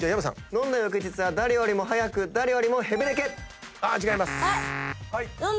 飲んだ翌日は誰よりも早く誰よりも元気。